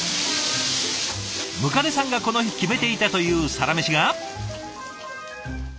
百足さんがこの日決めていたというサラメシが。